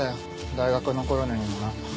大学残るのにもな。